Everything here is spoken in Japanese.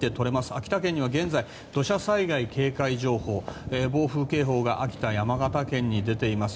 秋田県には現在土砂災害警戒情報暴風警報が秋田、山形県に出ています。